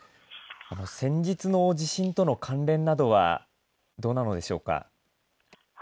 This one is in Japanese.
先日の地震との関連などはどうなのでしょうか。